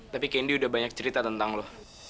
tapi kendi udah banyak cerita tentang lo